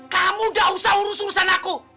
kamu gak usah urus urusan aku